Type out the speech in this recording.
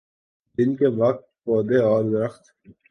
دن کے وقت پودے اور درخت